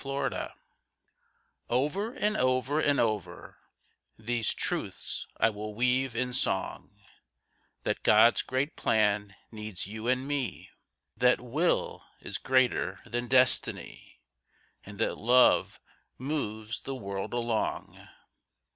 REPETITION Over and over and over These truths I will weave in song— That God's great plan needs you and me, That will is greater than destiny, And that love moves the world along.